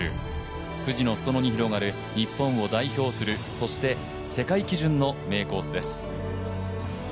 富士の裾野に広がる日本を代表するそして世界基準の名コースです。